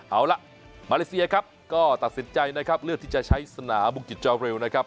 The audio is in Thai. เอาล่ะมาเลเซียครับก็ตัดสินใจนะครับเลือกที่จะใช้สนามบุกิจจอเรลนะครับ